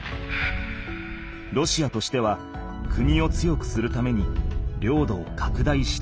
ロシアとしては国を強くするために領土をかくだいしたい。